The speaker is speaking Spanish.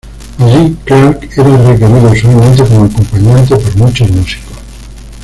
Allí, Clark era requerido usualmente como acompañante por muchos músicos.